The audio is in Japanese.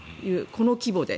この規模で。